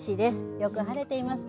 よく晴れていますね。